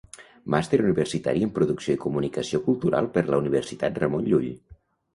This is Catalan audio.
Màster Universitari en Producció i Comunicació Cultural per la Universitat Ramon Llull.